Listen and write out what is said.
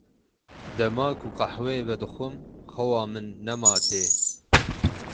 Dema ku qehweyê vedixwim xewa min nema tê.